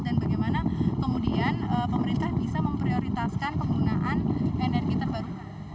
dan bagaimana kemudian pemerintah bisa memprioritaskan penggunaan energi terbaru